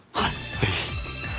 ぜひ！